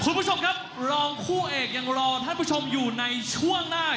คุณผู้ชมครับรองคู่เอกยังรอท่านผู้ชมอยู่ในช่วงหน้า